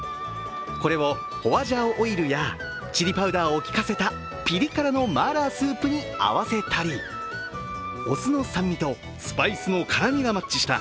これをホアジャオオイルやチリパウダーをきかせたピリ辛のマーラースープに合わせたりお酢の酸味とスパイスの辛みがマッチした